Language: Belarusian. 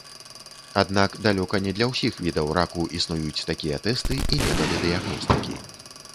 Аднак далёка не для ўсіх відаў раку існуюць такія тэсты і метады дыягностыкі.